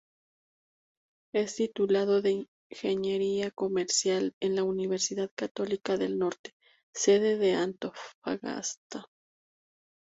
Es titulado de ingeniería comercial en la Universidad Católica del Norte, sede de Antofagasta.